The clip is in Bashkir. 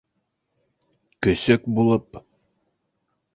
Көсөк булып...